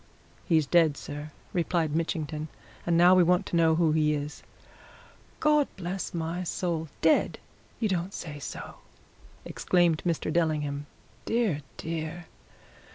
"He's dead, sir," replied Mitchington. "And now we want to know who he is." "God bless my soul! Dead? You don't say so!" exclaimed Mr. Dellingham. "Dear, dear!